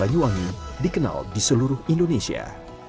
tanaman angkrek banyuwangi dikenal di seluruh indonesia